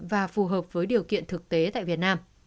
và phù hợp với điều kiện thực tế tại việt nam